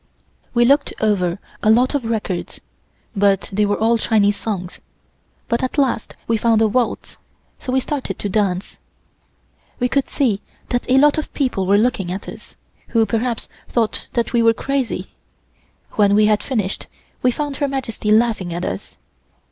We looked over a lot of records, but they were all Chinese songs, but at last we found a waltz, so we started to dance. We could see that a lot of people were looking at us, who perhaps thought that we were crazy. When we had finished we found Her Majesty laughing at us.